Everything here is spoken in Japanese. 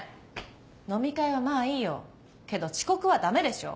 飲み会はまぁいいよけど遅刻はダメでしょ。